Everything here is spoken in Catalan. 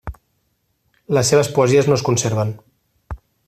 Les seves poesies no es conserven.